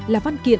là văn kiện